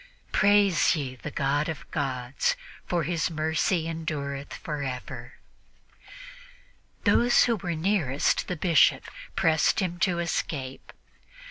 "Praise ye the God of gods: for His mercy endureth forever." Those who were nearest the Bishop pressed him to escape.